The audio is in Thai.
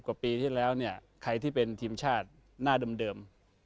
กว่าปีที่แล้วเนี่ยใครที่เป็นทีมชาติหน้าเดิม